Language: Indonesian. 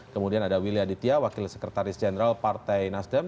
kemudian ada willy aditya wakil sekretaris jenderal partai nasdem